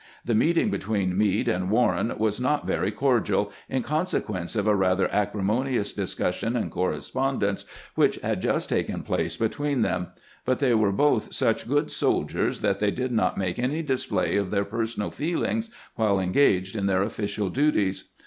The meeting between Meade and Warren was not very cordial, in consequence of a rather acrimonious discussion and correspondence which had just taken place between them ; but they were both such good soldiers that they did not make any display of 252 CAMPAIGNING WITH GKANT their personal feelings while engaged in their official duties.